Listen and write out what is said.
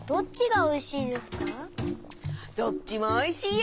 どっちもおいしいよ！